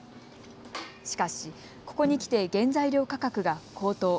しかし、ここにきて原材料価格が高騰。